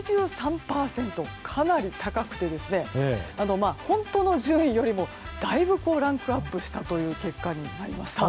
かなり高くて、本当の順位よりもだいぶランクアップしたという結果になりました。